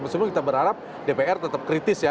meskipun kita berharap dpr tetap kritis ya